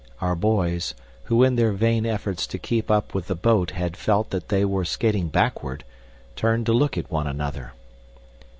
Our boys, who in their vain efforts to keep up with the boat had felt that they were skating backward, turned to look at one another.